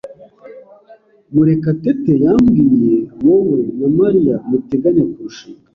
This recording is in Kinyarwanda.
Murekatete yambwiye wowe na Mariya muteganya kurushinga.